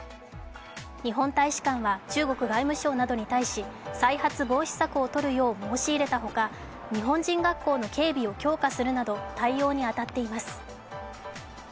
日本大使館は中国外務省などに対し再発防止策をとるよう申し入れたほか、日本人学校の警備を強化するなど対応に当たっています。